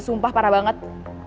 sumpah parah banget